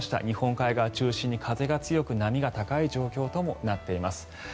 日本海側を中心に風が強く波が高い状況ともなっています。